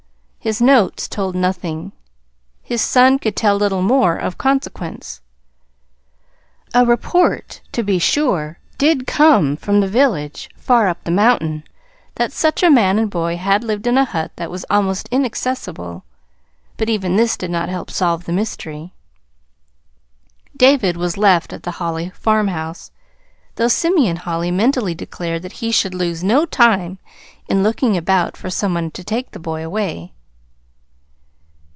His notes told nothing; his son could tell little more of consequence. A report, to be sure, did come from the village, far up the mountain, that such a man and boy had lived in a hut that was almost inaccessible; but even this did not help solve the mystery. David was left at the Holly farmhouse, though Simeon Holly mentally declared that he should lose no time in looking about for some one to take the boy away.